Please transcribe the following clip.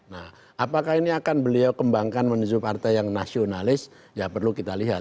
nah apakah ini akan beliau kembangkan menuju partai yang nasionalis ya perlu kita lihat